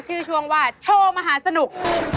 ช่วงว่าโชว์มหาสนุก